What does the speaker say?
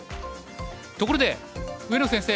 ところで上野先生